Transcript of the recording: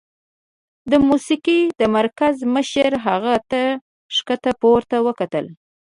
د موسيقۍ د مرکز مشر هغې ته ښکته پورته وکتل.